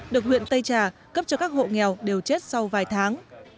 được huyện tây trà cấp cho các hộ nghèo đều chết sau vài tháng